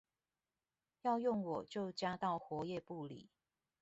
要用我就加到活頁簿裡